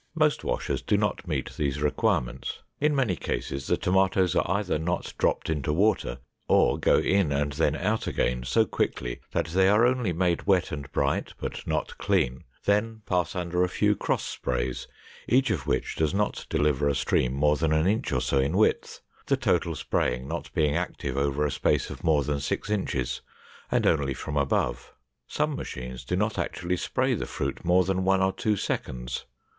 Most washers do not meet these requirements. In many cases the tomatoes are either not dropped into water, or go in and then out again so quickly that they are only made wet and bright, but not clean, then pass under a few cross sprays, each of which does not deliver a stream more than an inch or so in width, the total spraying not being active over a space of more than six inches and only from above. Some machines do not actually spray the fruit more than one or two seconds.